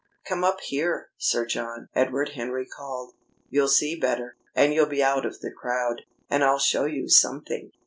"Come up here, Sir John," Edward Henry called. "You'll see better, and you'll be out of the crowd. And I'll show you something."